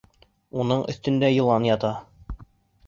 Уның өҫтөндә йылан ята.